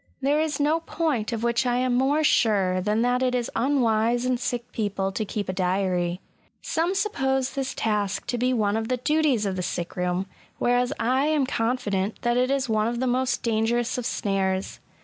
There is no point of which I am more sure than that it is unwise in sick people to keep a diary. Some suppose this task to be one of the duties of the sick room ; whereas I am confident that it is one of the most dangerous of snares.